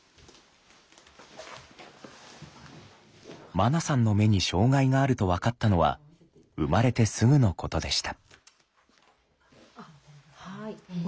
まなさんの目に障害があると分かったのは生まれてすぐのことでした。